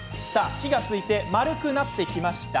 火がついて丸くなってきました。